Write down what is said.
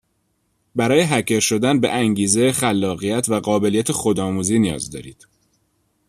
برای هکر شدن به انگیزه خلاقیت و قابلیت خود آموزی نیاز دارید.